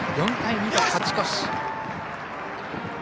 ４対２と勝ち越し。